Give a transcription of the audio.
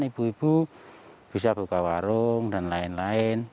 ibu ibu bisa buka warung dan lain lain